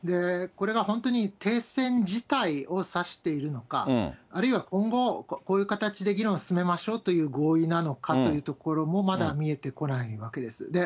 これが本当に停戦自体を指しているのか、あるいは今後、こういう形で議論進めましょうという合意なのかというところもまだ見えてこないわけです。